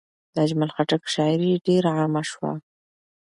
د اجمل خټک شاعري ډېر عامه شوه.